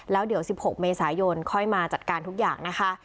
แล้วเดี๋ยว๑๖เมษายนค่อยมาจัดการทุกอย่างนะคะ